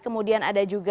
kemudian ada juga